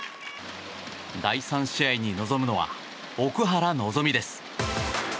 第３試合に臨むのは奥原希望です。